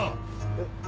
えっ？